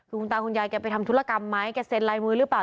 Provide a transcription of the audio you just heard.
คุณตาคุณยายแกไปทำธุรกรรมไหมแกเซ็นลายมือหรือเปล่า